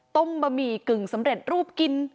บะหมี่กึ่งสำเร็จรูปกิน